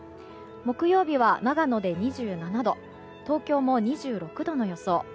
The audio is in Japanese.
木曜日は長野で２７度東京も２６度の予想。